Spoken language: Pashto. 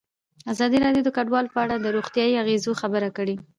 ازادي راډیو د کډوال په اړه د روغتیایي اغېزو خبره کړې.